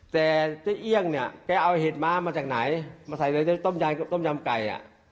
แต่เจ๊เอี่ยงเนี่ยแกเอาเห็ดม้ามาจากไหนมาใส่ในต้มยำต้มยำไก่อ่ะ